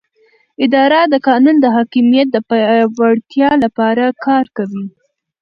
اداره د قانون د حاکمیت د پیاوړتیا لپاره کار کوي.